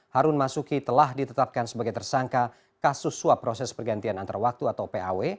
harun masuki telah ditetapkan sebagai tersangka kasus suap proses pergantian antar waktu atau paw